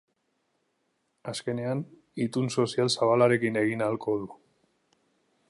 Azkenean, itun sozial zabalarekin egin ahalko du.